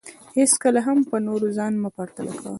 هېڅکله هم په نورو ځان مه پرتله کوه